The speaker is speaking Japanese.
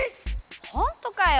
ほんとかよ？